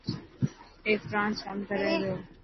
اي فرالانس ڪم ڪري تو.